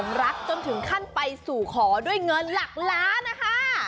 รักจนถึงขั้นไปสู่ขอด้วยเงินหลักล้านนะคะ